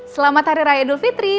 selamat hari raya idul fitri